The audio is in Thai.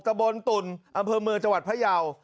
ตะบนตุนอามเฟิร์นเมอร์จวัดพระยาว